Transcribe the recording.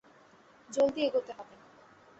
জলদি এগোতে হবে!